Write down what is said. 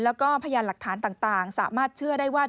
แล้วก็พยานหลักฐานต่างสามารถเชื่อได้ว่า